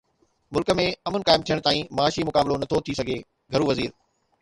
ملڪ ۾ امن قائم ٿيڻ تائين معاشي مقابلو نٿو ٿي سگهي: گهرو وزير